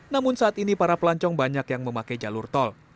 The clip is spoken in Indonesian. namun saat ini para pelancong banyak yang memakai jalur tol